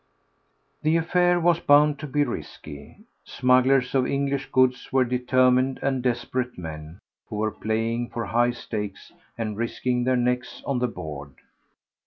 The affair was bound to be risky. Smugglers of English goods were determined and desperate men who were playing for high stakes and risking their necks on the board.